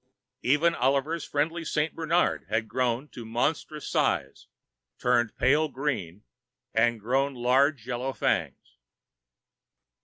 Even Oliver Brunei's friendly Saint Bernard had grown to monstrous size, turned pale green, and grown large yellow fangs.